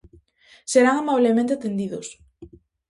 Serán amablemente atendidos.